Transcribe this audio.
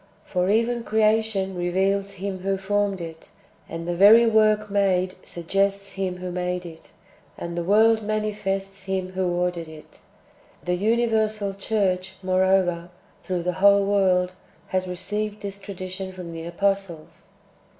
For even creation reveals Him who formed it, and the very work made suggests Him who made it, and the world manifests Him who ordered it. The uni versal church, moreover, through the v/hole world, has received this tradition from the apostles.